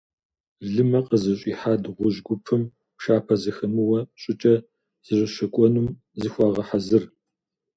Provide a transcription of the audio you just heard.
Лымэ къызыщӏихьа дыгъужь гупым, пшапэ зэхэмыуэ щӀыкӀэ, зэрыщэкӀуэнум зыхуагъэхьэзыр.